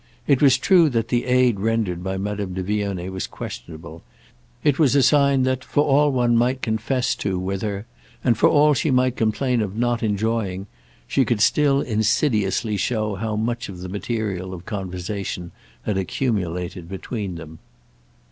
It was true that the aid rendered by Madame de Vionnet was questionable; it was a sign that, for all one might confess to with her, and for all she might complain of not enjoying, she could still insidiously show how much of the material of conversation had accumulated between them.